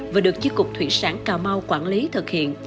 và được chiếc cục thủy sản cà mau quản lý thực hiện